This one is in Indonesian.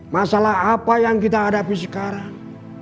masalah apa yang kita hadapi sekarang